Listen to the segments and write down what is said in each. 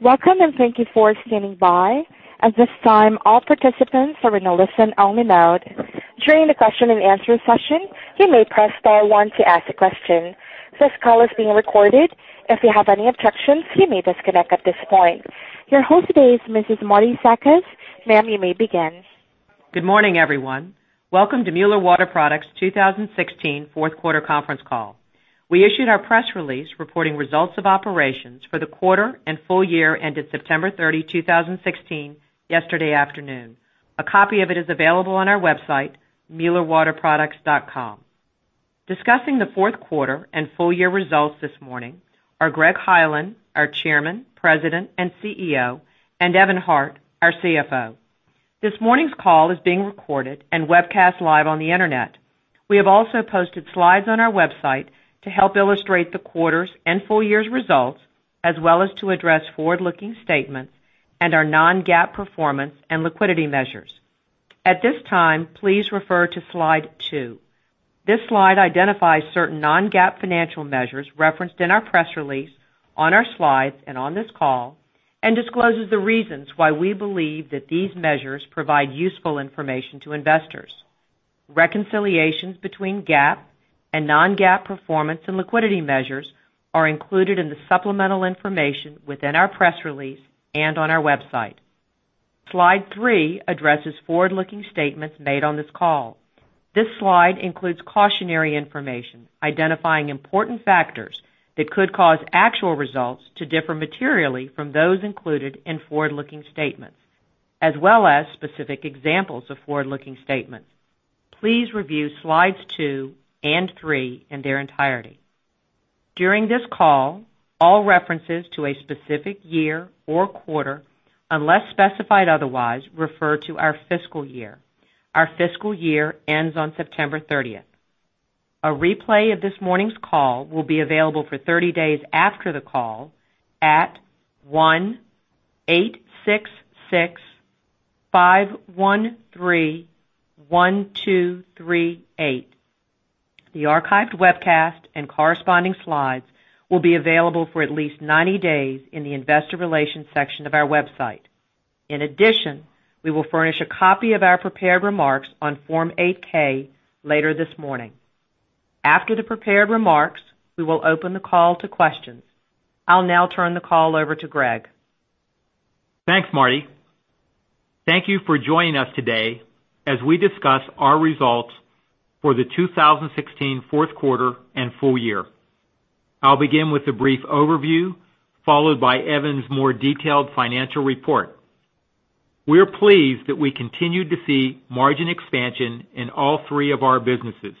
Welcome. Thank you for standing by. At this time, all participants are in a listen-only mode. During the question-and-answer session, you may press star one to ask a question. This call is being recorded. If you have any objections, you may disconnect at this point. Your host today is Mrs. Martie Zakas. Ma'am, you may begin. Good morning, everyone. Welcome to Mueller Water Products' 2016 fourth quarter conference call. We issued our press release reporting results of operations for the quarter and full year ended September 30, 2016 yesterday afternoon. A copy of it is available on our website, muellerwaterproducts.com. Discussing the fourth quarter and full year results this morning are Greg Hyland, our Chairman, President, and CEO, and Evan Hart, our CFO. This morning's call is being recorded and webcast live on the Internet. We have also posted slides on our website to help illustrate the quarter's and full year's results, as well as to address forward-looking statements and our non-GAAP performance and liquidity measures. At this time, please refer to Slide two. This slide identifies certain non-GAAP financial measures referenced in our press release, on our slides, and on this call, and discloses the reasons why we believe that these measures provide useful information to investors. Reconciliations between GAAP and non-GAAP performance and liquidity measures are included in the supplemental information within our press release and on our website. Slide three addresses forward-looking statements made on this call. This slide includes cautionary information identifying important factors that could cause actual results to differ materially from those included in forward-looking statements, as well as specific examples of forward-looking statements. Please review Slides two and three in their entirety. During this call, all references to a specific year or quarter, unless specified otherwise, refer to our fiscal year. Our fiscal year ends on September 30th. A replay of this morning's call will be available for 30 days after the call at 1-866-513-1238. The archived webcast and corresponding slides will be available for at least 90 days in the investor relations section of our website. We will furnish a copy of our prepared remarks on Form 8-K later this morning. After the prepared remarks, we will open the call to questions. I'll now turn the call over to Greg. Thanks, Martie. Thank you for joining us today as we discuss our results for the 2016 fourth quarter and full year. I'll begin with a brief overview, followed by Evan's more detailed financial report. We're pleased that we continued to see margin expansion in all three of our businesses,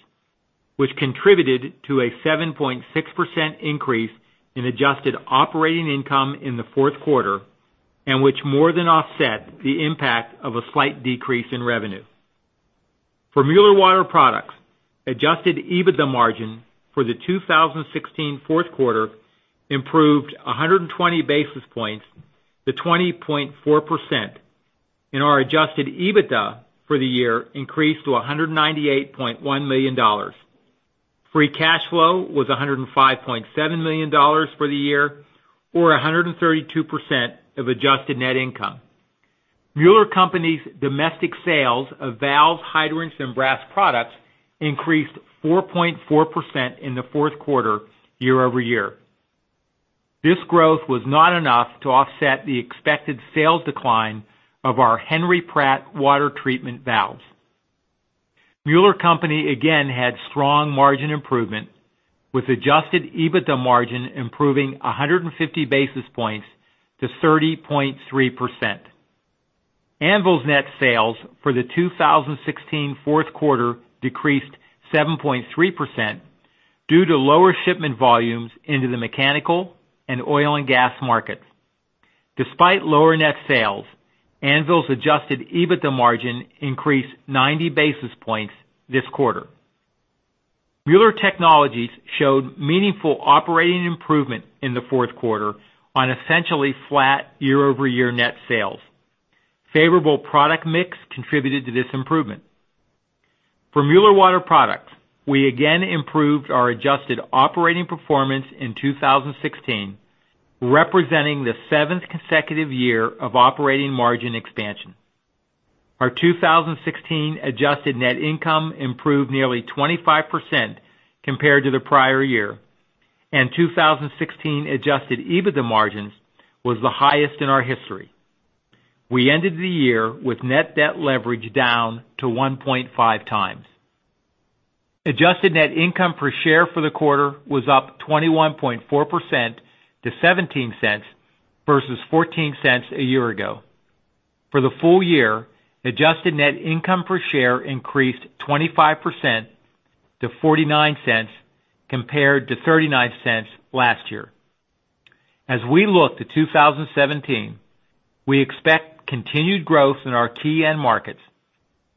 which contributed to a 7.6% increase in adjusted operating income in the fourth quarter, and which more than offset the impact of a slight decrease in revenue. For Mueller Water Products, adjusted EBITDA margin for the 2016 fourth quarter improved 120 basis points to 20.4%, and our adjusted EBITDA for the year increased to $198.1 million. Free cash flow was $105.7 million for the year, or 132% of adjusted net income. Mueller Company's domestic sales of valves, hydrants, and brass products increased 4.4% in the fourth quarter year-over-year. This growth was not enough to offset the expected sales decline of our Henry Pratt water treatment valves. Mueller Company again had strong margin improvement, with adjusted EBITDA margin improving 150 basis points to 30.3%. Anvil's net sales for the 2016 fourth quarter decreased 7.3% due to lower shipment volumes into the mechanical and oil and gas markets. Despite lower net sales, Anvil's adjusted EBITDA margin increased 90 basis points this quarter. Mueller Technologies showed meaningful operating improvement in the fourth quarter on essentially flat year-over-year net sales. Favorable product mix contributed to this improvement. For Mueller Water Products, we again improved our adjusted operating performance in 2016, representing the seventh consecutive year of operating margin expansion. Our 2016 adjusted net income improved nearly 25% compared to the prior year, and 2016 adjusted EBITDA margins was the highest in our history. We ended the year with net debt leverage down to 1.5 times. Adjusted net income per share for the quarter was up 21.4% to $0.17 versus $0.14 a year ago. For the full year, adjusted net income per share increased 25% to $0.49, compared to $0.39 last year. As we look to 2017, we expect continued growth in our key end markets.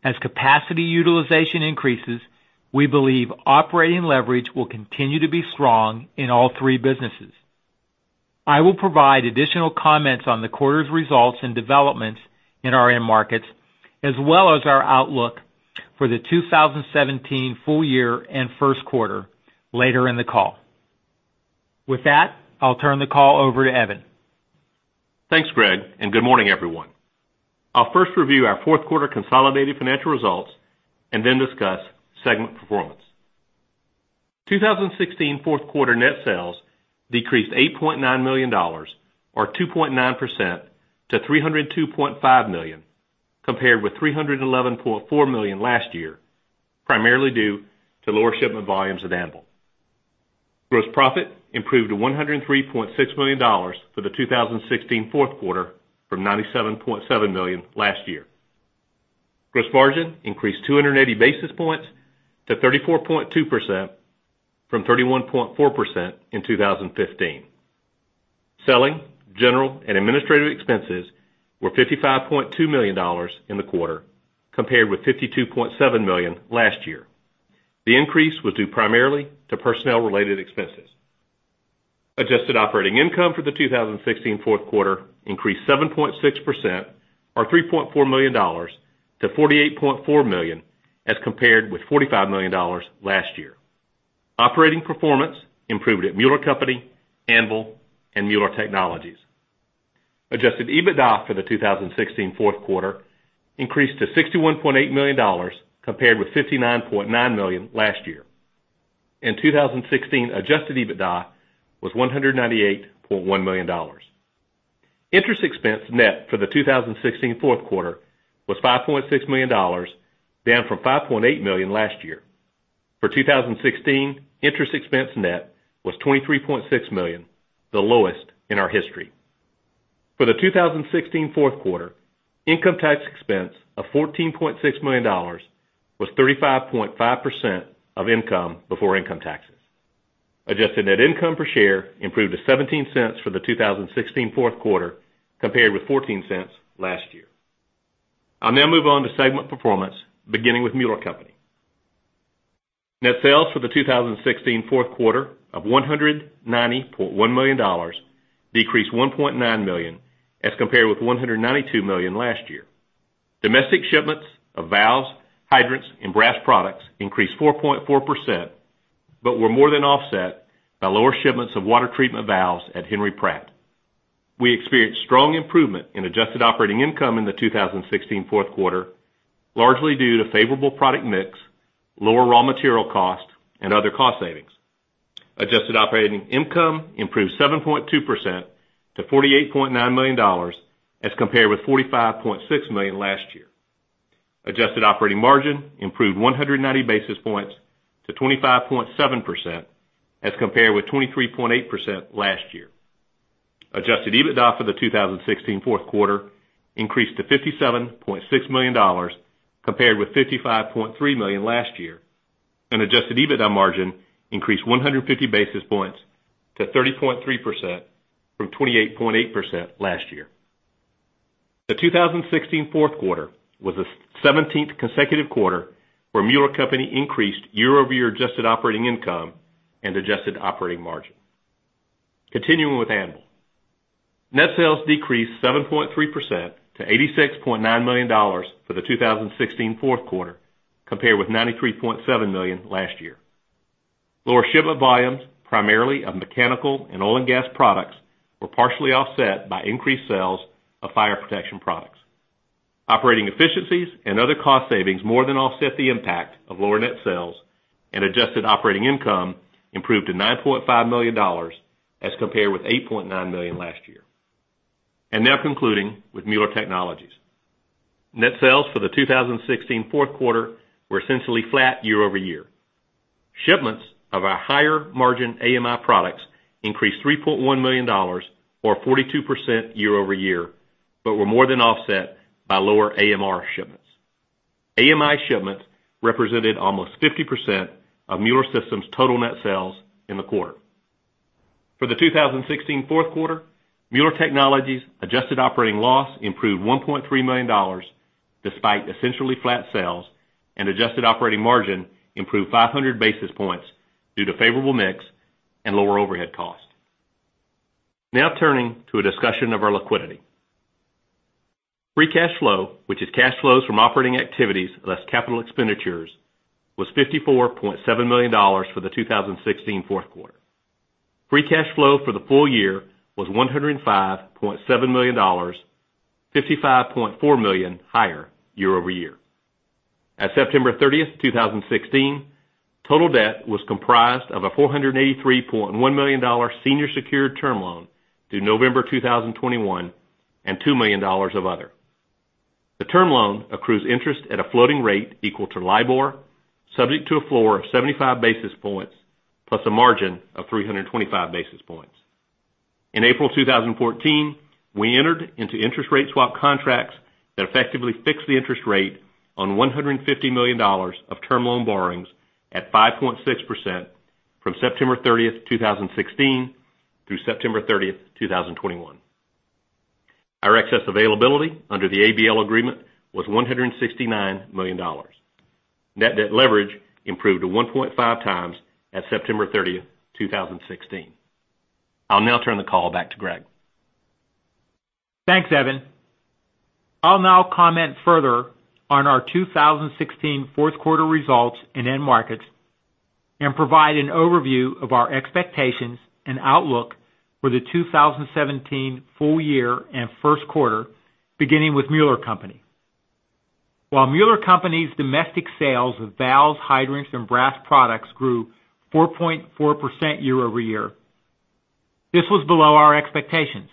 As capacity utilization increases, we believe operating leverage will continue to be strong in all three businesses. I will provide additional comments on the quarter's results and developments in our end markets, as well as our outlook For the 2017 full year and first quarter later in the call. With that, I'll turn the call over to Evan. Thanks, Greg, and good morning, everyone. I'll first review our fourth quarter consolidated financial results and then discuss segment performance. 2016 fourth quarter net sales decreased $8.9 million, or 2.9%, to $302.5 million, compared with $311.4 million last year, primarily due to lower shipment volumes at Anvil. Gross profit improved to $103.6 million for the 2016 fourth quarter from $97.7 million last year. Gross margin increased 280 basis points to 34.2% from 31.4% in 2015. Selling, general and administrative expenses were $55.2 million in the quarter, compared with $52.7 million last year. The increase was due primarily to personnel-related expenses. Adjusted operating income for the 2016 fourth quarter increased 7.6%, or $3.4 million, to $48.4 million, as compared with $45 million last year. Operating performance improved at Mueller Company, Anvil, and Mueller Technologies. Adjusted EBITDA for the 2016 fourth quarter increased to $61.8 million, compared with $59.9 million last year. In 2016, adjusted EBITDA was $198.1 million. Interest expense net for the 2016 fourth quarter was $5.6 million, down from $5.8 million last year. For 2016, interest expense net was $23.6 million, the lowest in our history. For the 2016 fourth quarter, income tax expense of $14.6 million was 35.5% of income before income taxes. Adjusted net income per share improved to $0.17 for the 2016 fourth quarter, compared with $0.14 last year. I'll now move on to segment performance, beginning with Mueller Company. Net sales for the 2016 fourth quarter of $190.1 million decreased $1.9 million as compared with $192 million last year. Domestic shipments of valves, hydrants, and brass products increased 4.4%, but were more than offset by lower shipments of water treatment valves at Henry Pratt. We experienced strong improvement in adjusted operating income in the 2016 fourth quarter, largely due to favorable product mix, lower raw material cost, and other cost savings. Adjusted operating income improved 7.2% to $48.9 million, as compared with $45.6 million last year. Adjusted operating margin improved 190 basis points to 25.7%, as compared with 23.8% last year. Adjusted EBITDA for the 2016 fourth quarter increased to $57.6 million, compared with $55.3 million last year, and adjusted EBITDA margin increased 150 basis points to 30.3% from 28.8% last year. The 2016 fourth quarter was the 17th consecutive quarter where Mueller Company increased year-over-year adjusted operating income and adjusted operating margin. Continuing with Anvil. Net sales decreased 7.3% to $86.9 million for the 2016 fourth quarter, compared with $93.7 million last year. Lower shipment volumes, primarily of mechanical and oil and gas products, were partially offset by increased sales of fire protection products. Operating efficiencies and other cost savings more than offset the impact of lower net sales and adjusted operating income improved to $9.5 million as compared with $8.9 million last year. Now concluding with Mueller Technologies. Net sales for the 2016 fourth quarter were essentially flat year-over-year. Shipments of our higher margin AMI products increased $3.1 million, or 42% year-over-year, but were more than offset by lower AMR shipments. AMI shipments represented almost 50% of Mueller Systems' total net sales in the quarter. For the 2016 fourth quarter, Mueller Technologies' adjusted operating loss improved $1.3 million despite essentially flat sales, and adjusted operating margin improved 500 basis points due to favorable mix and lower overhead cost. Now turning to a discussion of our liquidity. Free cash flow, which is cash flows from operating activities less capital expenditures, was $54.7 million for the 2016 fourth quarter. Free cash flow for the full year was $105.7 million, $55.4 million higher year-over-year. At September 30th, 2016, total debt was comprised of a $483.1 million senior secured term loan due November 2021 and $2 million of other. The term loan accrues interest at a floating rate equal to LIBOR, subject to a floor of 75 basis points, plus a margin of 325 basis points. In April 2014, we entered into interest rate swap contracts that effectively fixed the interest rate on $150 million of term loan borrowings at 5.6% from September 30th, 2016 through September 30th, 2021. Our excess availability under the ABL agreement was $169 million. Net debt leverage improved to 1.5 times at September 30th, 2016. I'll now turn the call back to Greg. Thanks, Evan. I'll now comment further on our 2016 fourth quarter results in end markets, and provide an overview of our expectations and outlook for the 2017 full year and first quarter, beginning with Mueller Company. While Mueller Company's domestic sales of valves, hydrants, and brass products grew 4.4% year-over-year, this was below our expectations.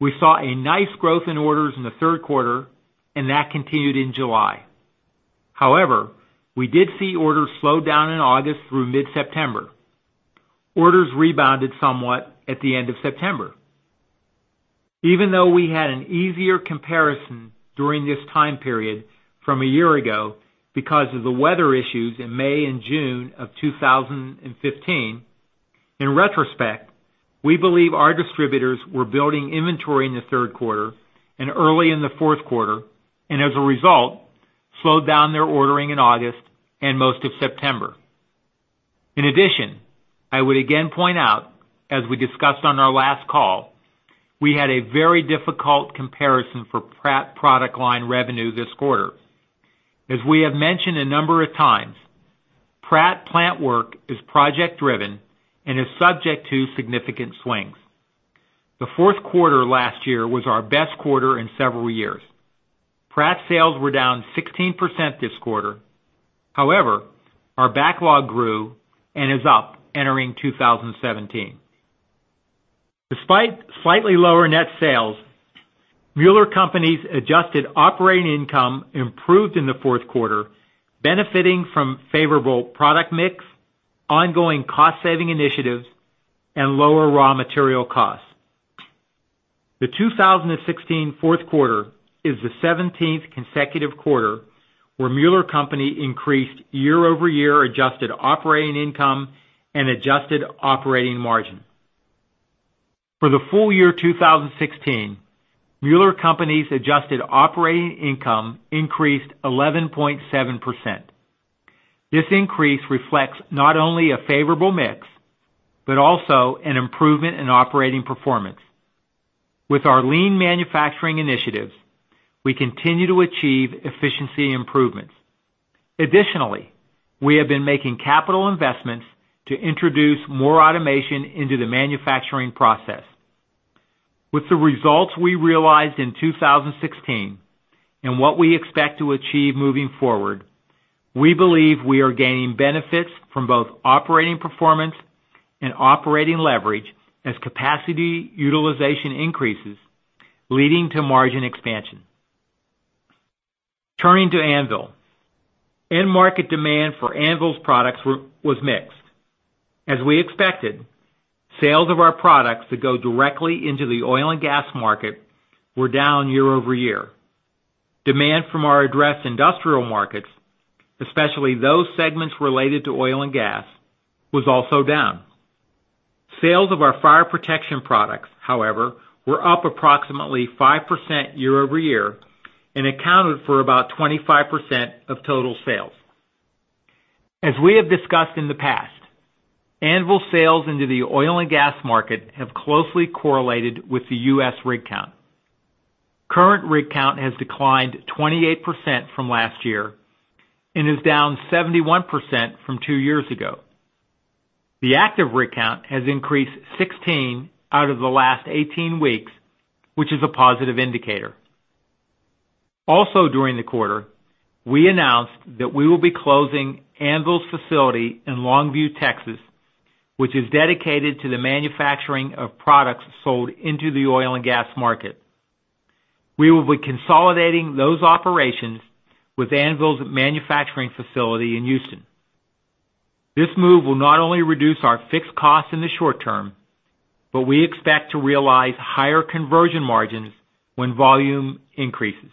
We saw a nice growth in orders in the third quarter, and that continued in July. However, we did see orders slow down in August through mid-September. Orders rebounded somewhat at the end of September. Even though we had an easier comparison during this time period from a year ago because of the weather issues in May and June of 2015, in retrospect, we believe our distributors were building inventory in the third quarter and early in the fourth quarter, and as a result, slowed down their ordering in August and most of September. I would again point out, as we discussed on our last call, we had a very difficult comparison for Pratt product line revenue this quarter. As we have mentioned a number of times, Pratt plant work is project-driven and is subject to significant swings. The fourth quarter last year was our best quarter in several years. Pratt sales were down 16% this quarter. However, our backlog grew and is up entering 2017. Despite slightly lower net sales, Mueller Company's adjusted operating income improved in the fourth quarter, benefiting from favorable product mix, ongoing cost-saving initiatives, and lower raw material costs. The 2016 fourth quarter is the 17th consecutive quarter where Mueller Company increased year-over-year adjusted operating income and adjusted operating margin. For the full year 2016, Mueller Company's adjusted operating income increased 11.7%. This increase reflects not only a favorable mix, but also an improvement in operating performance. With our lean manufacturing initiatives, we continue to achieve efficiency improvements. Additionally, we have been making capital investments to introduce more automation into the manufacturing process. With the results we realized in 2016, and what we expect to achieve moving forward, we believe we are gaining benefits from both operating performance and operating leverage as capacity utilization increases, leading to margin expansion. Turning to Anvil. End market demand for Anvil's products was mixed. As we expected, sales of our products that go directly into the oil and gas market were down year-over-year. Demand from our addressed industrial markets, especially those segments related to oil and gas, was also down. Sales of our fire protection products, however, were up approximately 5% year-over-year and accounted for about 25% of total sales. As we have discussed in the past, Anvil sales into the oil and gas market have closely correlated with the U.S. rig count. Current rig count has declined 28% from last year and is down 71% from two years ago. The active rig count has increased 16 out of the last 18 weeks, which is a positive indicator. During the quarter, we announced that we will be closing Anvil's facility in Longview, Texas, which is dedicated to the manufacturing of products sold into the oil and gas market. We will be consolidating those operations with Anvil's manufacturing facility in Houston. This move will not only reduce our fixed costs in the short term, but we expect to realize higher conversion margins when volume increases.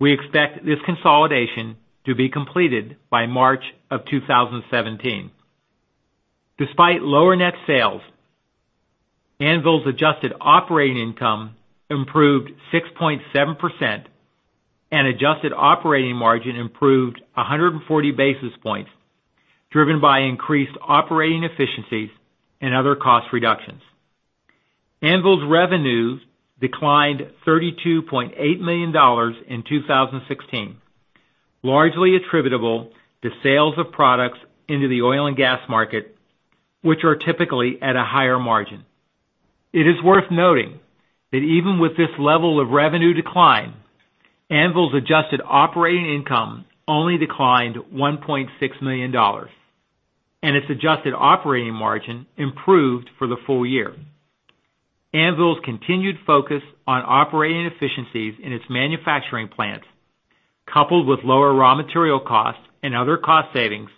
We expect this consolidation to be completed by March of 2017. Despite lower net sales, Anvil's adjusted operating income improved 6.7% and adjusted operating margin improved 140 basis points, driven by increased operating efficiencies and other cost reductions. Anvil's revenues declined $32.8 million in 2016, largely attributable to sales of products into the oil and gas market, which are typically at a higher margin. It is worth noting that even with this level of revenue decline, Anvil's adjusted operating income only declined $1.6 million, and its adjusted operating margin improved for the full year. Anvil's continued focus on operating efficiencies in its manufacturing plants, coupled with lower raw material costs and other cost savings,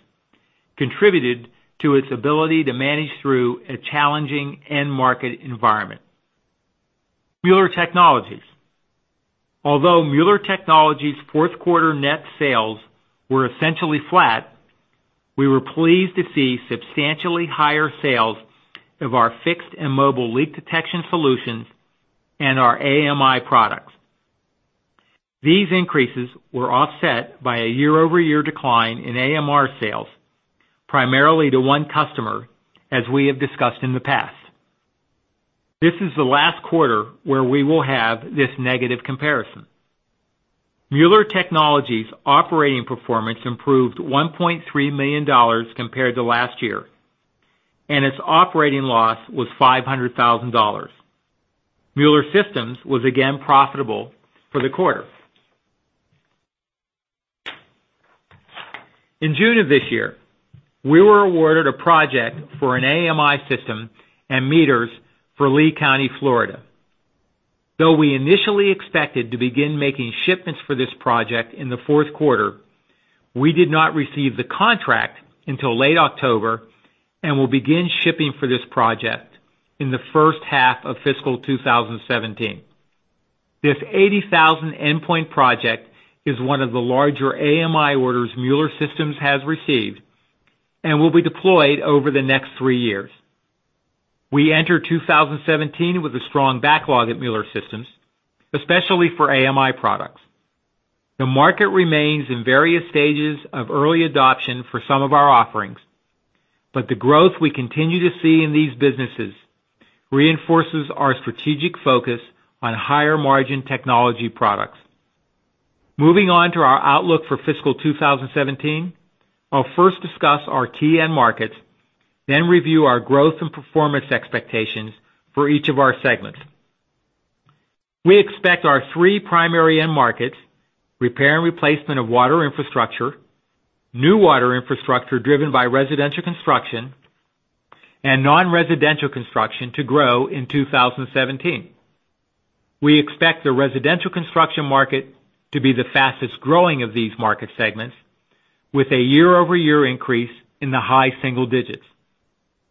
contributed to its ability to manage through a challenging end market environment. Mueller Technologies. Although Mueller Technologies' fourth quarter net sales were essentially flat, we were pleased to see substantially higher sales of our fixed and mobile leak detection solutions and our AMI products. These increases were offset by a year-over-year decline in AMR sales, primarily to one customer, as we have discussed in the past. This is the last quarter where we will have this negative comparison. Mueller Technologies operating performance improved $1.3 million compared to last year, and its operating loss was $500,000. Mueller Systems was again profitable for the quarter. In June of this year, we were awarded a project for an AMI system and meters for Lee County, Florida. Though we initially expected to begin making shipments for this project in the fourth quarter, we did not receive the contract until late October and will begin shipping for this project in the first half of fiscal 2017. This 80,000-endpoint project is one of the larger AMI orders Mueller Systems has received and will be deployed over the next three years. We enter 2017 with a strong backlog at Mueller Systems, especially for AMI products. The market remains in various stages of early adoption for some of our offerings, but the growth we continue to see in these businesses reinforces our strategic focus on higher-margin technology products. Moving on to our outlook for fiscal 2017, I'll first discuss our key end markets, then review our growth and performance expectations for each of our segments. We expect our three primary end markets, repair and replacement of water infrastructure, new water infrastructure driven by residential construction, and non-residential construction to grow in 2017. We expect the residential construction market to be the fastest-growing of these market segments with a year-over-year increase in the high single digits.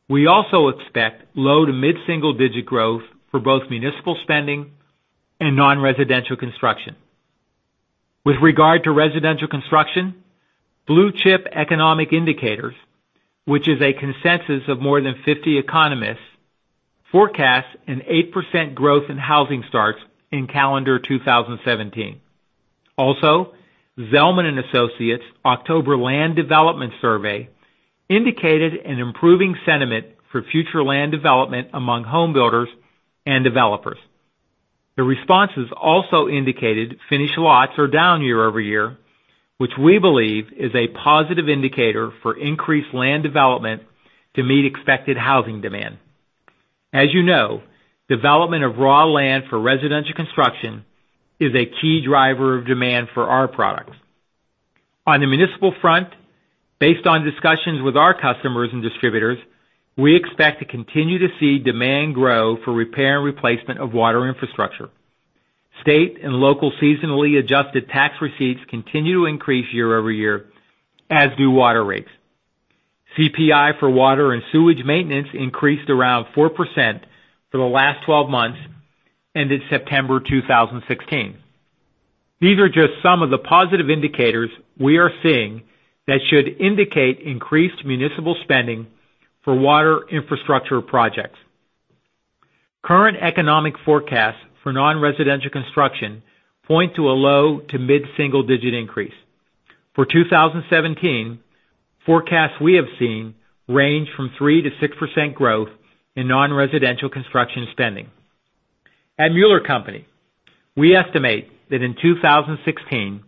We also expect low to mid-single digit growth for both municipal spending and non-residential construction. With regard to residential construction, Blue Chip Economic Indicators, which is a consensus of more than 50 economists, forecasts an 8% growth in housing starts in calendar 2017. Zelman & Associates' October Land Development Survey indicated an improving sentiment for future land development among home builders and developers. The responses also indicated finished lots are down year-over-year, which we believe is a positive indicator for increased land development to meet expected housing demand. As you know, development of raw land for residential construction is a key driver of demand for our products. On the municipal front, based on discussions with our customers and distributors, we expect to continue to see demand grow for repair and replacement of water infrastructure. State and local seasonally adjusted tax receipts continue to increase year-over-year, as do water rates. CPI for water and sewage maintenance increased around 4% for the last 12 months ended September 2016. These are just some of the positive indicators we are seeing that should indicate increased municipal spending for water infrastructure projects. Current economic forecasts for non-residential construction point to a low to mid-single digit increase. For 2017, forecasts we have seen range from 3%-6% growth in non-residential construction spending. At Mueller Company, we estimate that in 2016,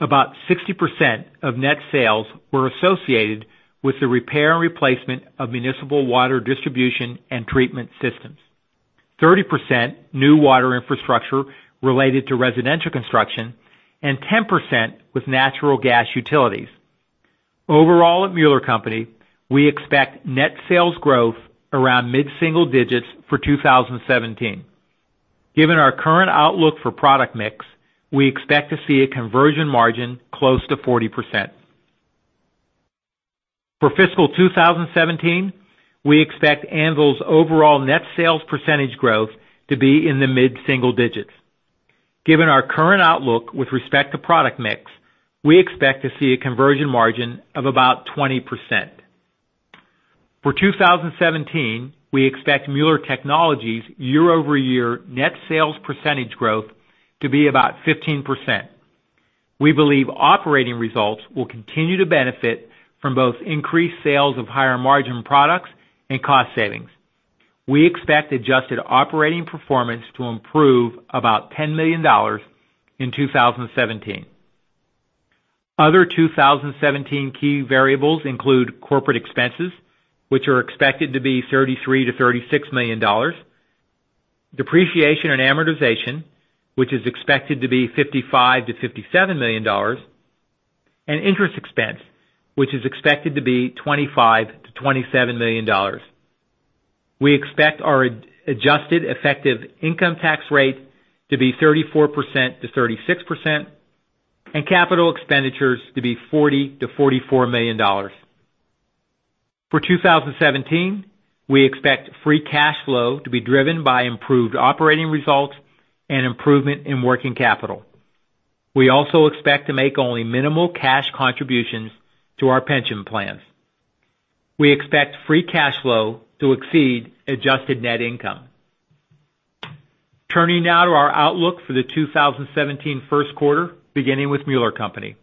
about 60% of net sales were associated with the repair and replacement of municipal water distribution and treatment systems, 30% new water infrastructure related to residential construction, and 10% with natural gas utilities. Overall, at Mueller Company, we expect net sales growth around mid-single digits for 2017. Given our current outlook for product mix, we expect to see a conversion margin close to 40%. For fiscal 2017, we expect Anvil's overall net sales percentage growth to be in the mid-single digits. Given our current outlook with respect to product mix, we expect to see a conversion margin of about 20%. For 2017, we expect Mueller Technologies' year-over-year net sales percentage growth to be about 15%. We believe operating results will continue to benefit from both increased sales of higher-margin products and cost savings. We expect adjusted operating performance to improve about $10 million in 2017. Other 2017 key variables include corporate expenses, which are expected to be $33 million-$36 million, depreciation and amortization, which is expected to be $55 million-$57 million, and interest expense, which is expected to be $25 million-$27 million. We expect our adjusted effective income tax rate to be 34%-36%, and capital expenditures to be $40 million-$44 million. For 2017, we expect free cash flow to be driven by improved operating results and improvement in working capital. We also expect to make only minimal cash contributions to our pension plans. We expect free cash flow to exceed adjusted net income. Turning now to our outlook for the 2017 first quarter, beginning with Mueller Company.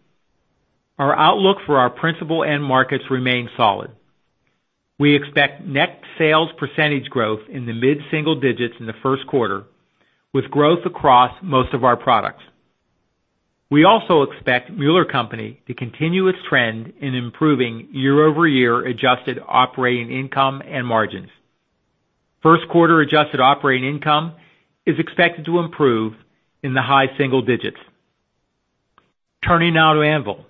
Our outlook for our principal end markets remains solid. We expect net sales percentage growth in the mid-single digits in the first quarter, with growth across most of our products. We also expect Mueller Company to continue its trend in improving year-over-year adjusted operating income and margins. First quarter adjusted operating income is expected to improve in the high single digits. Turning now to Anvil.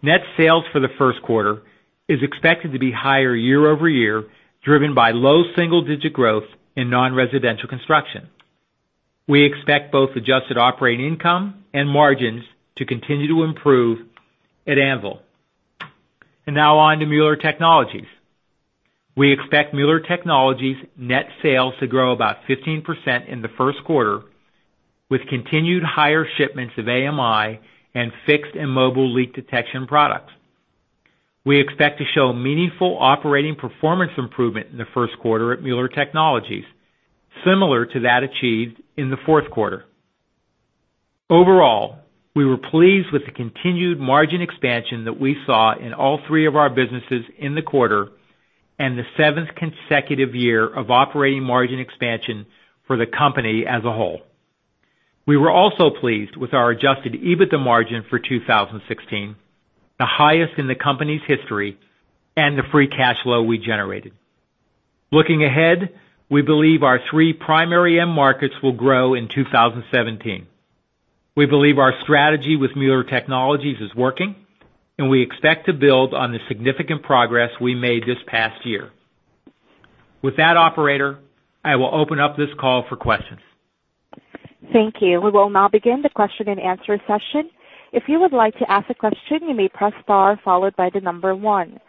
Net sales for the first quarter is expected to be higher year-over-year, driven by low single-digit growth in non-residential construction. We expect both adjusted operating income and margins to continue to improve at Anvil. Now on to Mueller Technologies. We expect Mueller Technologies net sales to grow about 15% in the first quarter, with continued higher shipments of AMI and fixed and mobile leak detection products. We expect to show meaningful operating performance improvement in the first quarter at Mueller Technologies, similar to that achieved in the fourth quarter. Overall, we were pleased with the continued margin expansion that we saw in all three of our businesses in the quarter and the seventh consecutive year of operating margin expansion for the company as a whole. We were also pleased with our adjusted EBITDA margin for 2016, the highest in the company's history, and the free cash flow we generated. Looking ahead, we believe our three primary end markets will grow in 2017. We believe our strategy with Mueller Technologies is working. We expect to build on the significant progress we made this past year. With that, operator, I will open up this call for questions. Thank you. We will now begin the question and answer session. If you would like to ask a question, you may press star followed by the number one.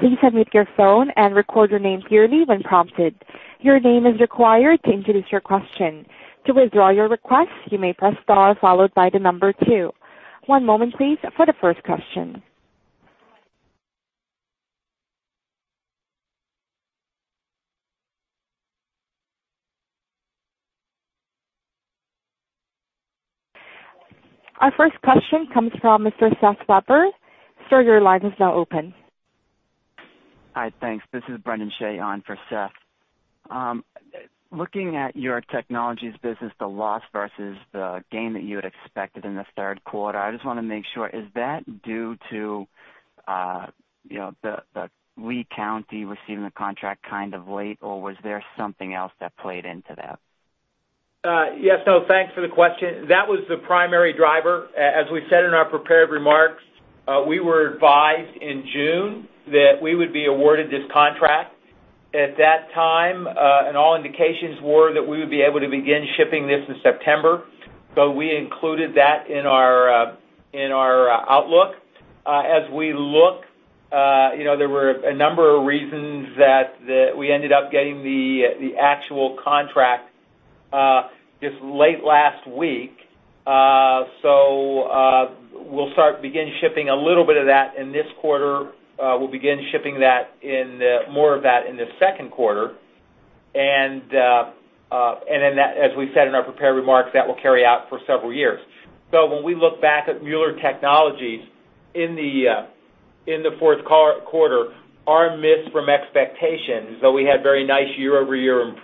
Please unmute your phone and record your name clearly when prompted. Your name is required to introduce your question. To withdraw your request, you may press star followed by the number two. One moment, please for the first question. Our first question comes from Mr. Seth Weber. Sir, your line is now open. Hi, thanks. This is Brendan Shea on for Seth. Looking at your technologies business, the loss versus the gain that you had expected in the third quarter, I just want to make sure, is that due to the Lee County receiving the contract kind of late, or was there something else that played into that? Yes. Thanks for the question. That was the primary driver. As we said in our prepared remarks, we were advised in June that we would be awarded this contract. At that time, all indications were that we would be able to begin shipping this in September. We included that in our outlook. As we look, there were a number of reasons that we ended up getting the actual contract just late last week. We'll start begin shipping a little bit of that in this quarter. We'll begin shipping more of that in the second quarter. Then that, as we said in our prepared remarks, that will carry out for several years. When we look back at Mueller Technologies in the fourth quarter, our miss from expectations, though we had very nice year-over-year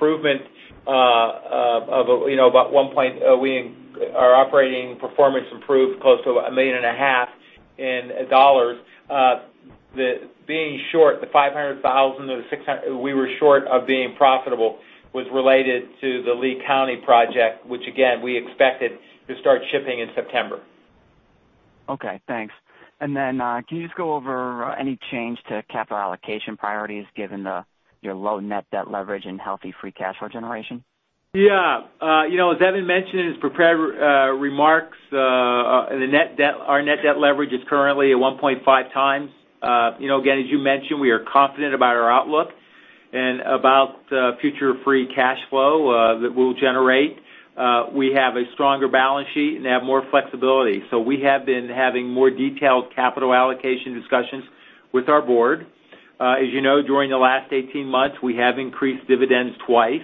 improvement of about one point, our operating performance improved close to a million and a half in dollars. Being short the $500,000, we were short of being profitable was related to the Lee County project, which again, we expected to start shipping in September. Okay, thanks. Can you just go over any change to capital allocation priorities given your low net debt leverage and healthy free cash flow generation? Yeah. As Evan mentioned in his prepared remarks, our net debt leverage is currently at 1.5 times. Again, as you mentioned, we are confident about our outlook and about the future free cash flow that we'll generate. We have a stronger balance sheet and have more flexibility. We have been having more detailed capital allocation discussions with our board. As you know, during the last 18 months, we have increased dividends twice.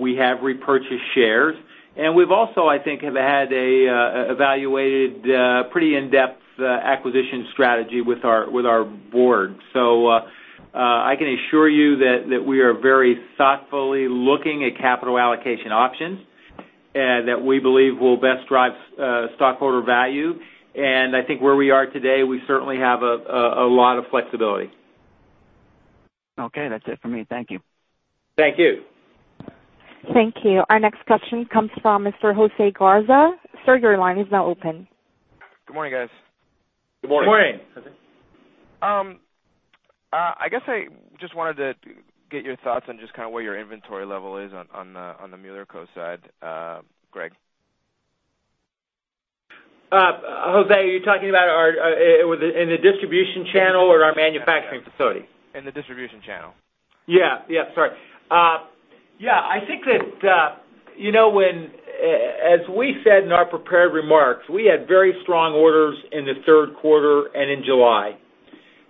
We have repurchased shares, and we've also, I think, have had evaluated pretty in-depth acquisition strategy with our board. I can assure you that we are very thoughtfully looking at capital allocation options that we believe will best drive stockholder value. I think where we are today, we certainly have a lot of flexibility. Okay, that's it for me. Thank you. Thank you. Thank you. Our next question comes from Mr. Jose Garza. Sir, your line is now open. Good morning, guys. Good morning. Good morning. I guess I just wanted to get your thoughts on just kind of where your inventory level is on the Mueller Co. side. Greg? Jose, are you talking about in the distribution channel or our manufacturing facility? In the distribution channel. Sorry. I think that as we said in our prepared remarks, we had very strong orders in the third quarter and in July.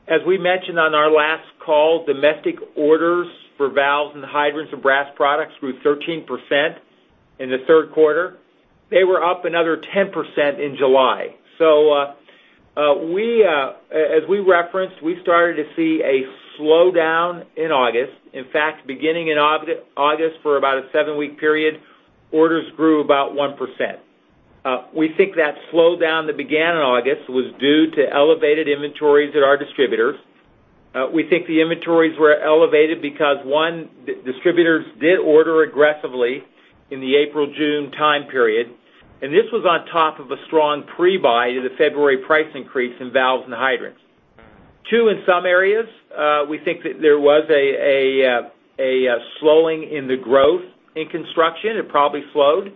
As we mentioned on our last call, domestic orders for valves and hydrants and brass products grew 13% in the third quarter. They were up another 10% in July. As we referenced, we started to see a slowdown in August. In fact, beginning in August for about a seven-week period, orders grew about 1%. We think that slowdown that began in August was due to elevated inventories at our distributors. We think the inventories were elevated because, one, distributors did order aggressively in the April-June time period, and this was on top of a strong pre-buy to the February price increase in valves and hydrants. Two, in some areas, we think that there was a slowing in the growth in construction. It probably slowed.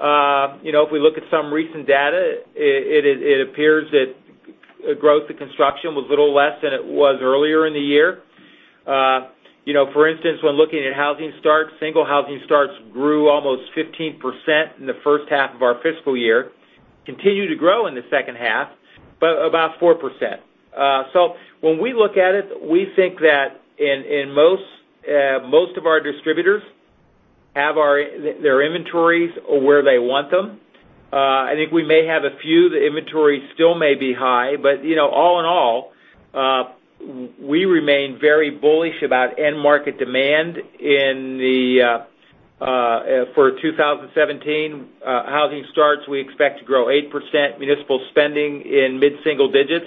If we look at some recent data, it appears that growth in construction was a little less than it was earlier in the year. For instance, when looking at housing starts, single housing starts grew almost 15% in the first half of our fiscal year, continued to grow in the second half, but about 4%. When we look at it, we think that in most of our distributors have their inventories where they want them. I think we may have a few, the inventory still may be high, but all in all, we remain very bullish about end market demand for 2017. Housing starts, we expect to grow 8%, municipal spending in mid-single digits.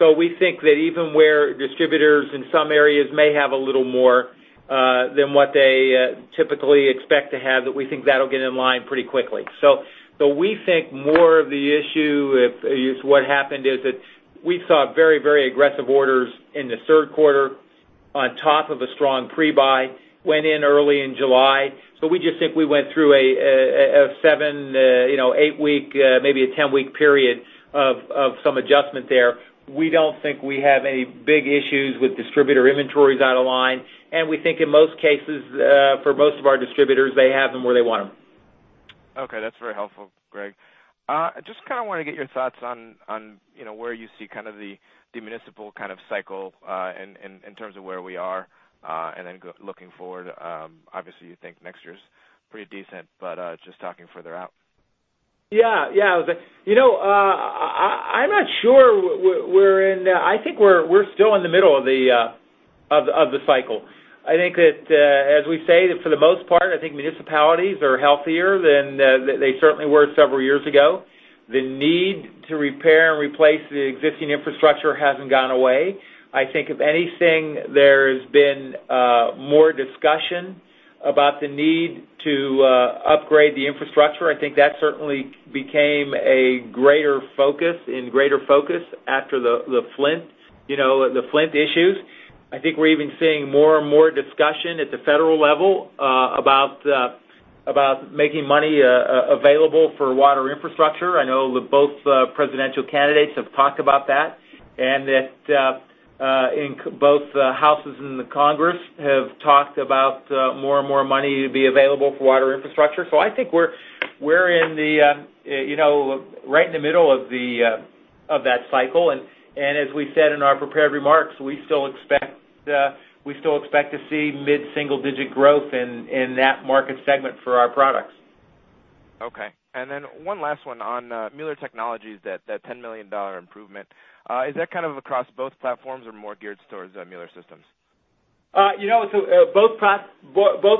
We think that even where distributors in some areas may have a little more than what they typically expect to have, that we think that will get in line pretty quickly. We think more of the issue is what happened is that we saw very aggressive orders in the third quarter on top of a strong pre-buy went in early in July. We just think we went through a seven, eight-week, maybe a 10-week period of some adjustment there. We do not think we have any big issues with distributor inventories out of line, and we think in most cases, for most of our distributors, they have them where they want them. That is very helpful, Greg. Just kind of want to get your thoughts on where you see kind of the municipal kind of cycle in terms of where we are, and then looking forward. Obviously, you think next year is pretty decent, just talking further out. Yeah. I am not sure. I think we are still in the middle of the cycle. I think that, as we say, for the most part, I think municipalities are healthier than they certainly were several years ago. The need to repair and replace the existing infrastructure has not gone away. I think if anything, there has been more discussion about the need to upgrade the infrastructure. I think that certainly became a greater focus, in greater focus after the Flint issues. I think we are even seeing more and more discussion at the federal level about making money available for water infrastructure. I know both presidential candidates have talked about that. That both Houses in the Congress have talked about more and more money to be available for water infrastructure. I think we are right in the middle of that cycle, and as we said in our prepared remarks, we still expect to see mid-single digit growth in that market segment for our products. Okay, one last one on Mueller Technologies, that $10 million improvement. Is that kind of across both platforms or more geared towards Mueller Systems? Both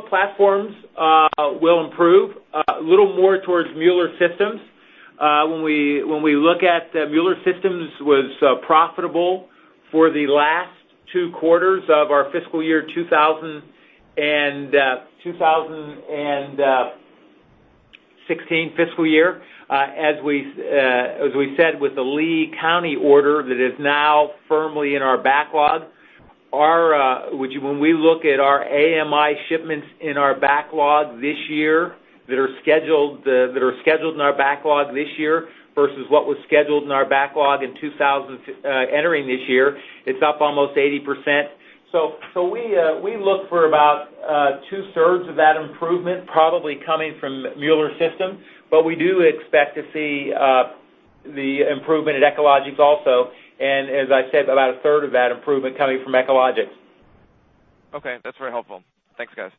platforms will improve. A little more towards Mueller Systems. When we look at Mueller Systems was profitable for the last two quarters of our fiscal year 2016. As we said, with the Lee County order that is now firmly in our backlog, when we look at our AMI shipments in our backlog this year that are scheduled in our backlog this year versus what was scheduled in our backlog entering this year, it is up almost 80%. We look for about two-thirds of that improvement probably coming from Mueller Systems, but we do expect to see the improvement at Echologics also. As I said, about a third of that improvement coming from Echologics. Okay, that's very helpful. Thanks, guys.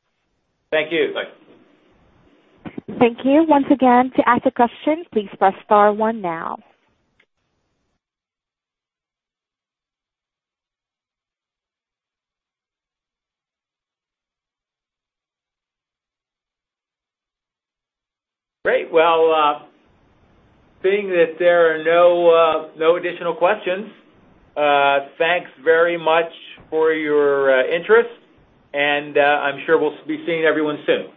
Thank you. Thanks. Thank you. Once again, to ask a question, please press star one now. Great. Well, seeing that there are no additional questions, thanks very much for your interest, and I'm sure we'll be seeing everyone soon.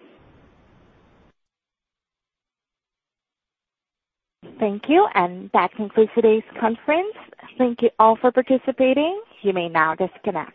Thank you, and that concludes today's conference. Thank you all for participating. You may now disconnect.